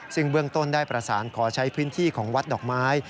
ซึ่งเบื้องต้นได้ประสานขอใช้พื้นที่ของวัดดอกไม้